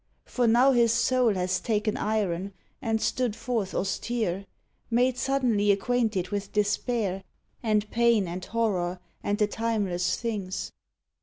For now his soul Has taken iron, and stood forth austere, Made suddenly acquainted with despair, And pain, and horror, and the timeless things.